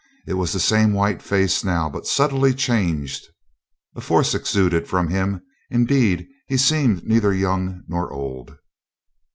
It was the same white face now, but subtly changed. A force exuded from him; indeed, he seemed neither young nor old.